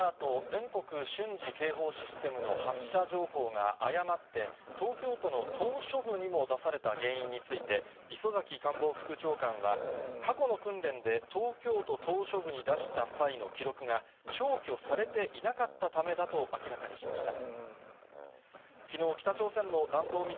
・全国瞬時警報システムの発射情報が誤って東京都の島しょ部にも出された原因について、磯崎官房副長官は、過去の訓練で東京都島しょ部に出した際の記録が、消去されていなかったためだと明らかにしました。